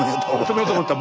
止めようと思った。